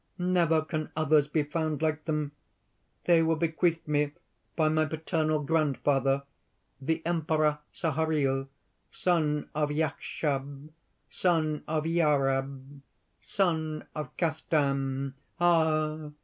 Never can others be found like them. They were bequeathed me by my paternal grand father, the Emperor Saharil, son of Iakhschab, son of Iaarab, son of Kastan. Ah!